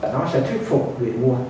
nó sẽ thuyết phục việc mua